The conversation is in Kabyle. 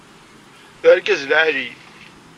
D argaz lɛali.